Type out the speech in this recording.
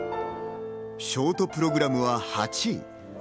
ショートプログラムは８位。